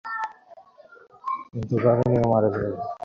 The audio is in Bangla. কিন্তু ভাবিনি ও মারা যাবে।